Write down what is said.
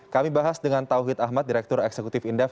kami bahas dengan tauhid ahmad direktur eksekutif indef